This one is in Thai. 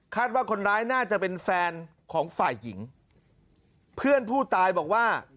ว่าคนร้ายน่าจะเป็นแฟนของฝ่ายหญิงเพื่อนผู้ตายบอกว่า